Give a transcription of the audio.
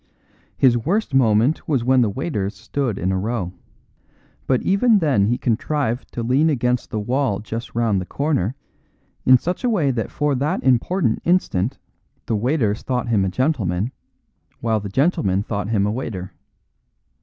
"His worst moment was when the waiters stood in a row; but even then he contrived to lean against the wall just round the corner in such a way that for that important instant the waiters thought him a gentleman, while the gentlemen thought him a waiter.